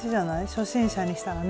初心者にしたらね。